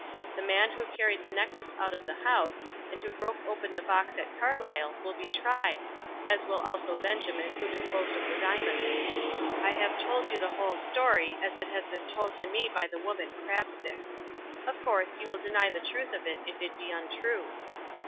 The man who carried the necklace out of the house, and who broke open the box at Carlisle, will be tried, as will also Benjamin, who disposed of the diamonds. I have told you the whole story, as it has been told to me by the woman Crabstick. Of course, you will deny the truth of it, if it be untrue."